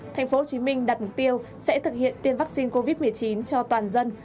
thành phố hồ chí minh đặt mục tiêu sẽ thực hiện tiêm vaccine covid một mươi chín cho toàn dân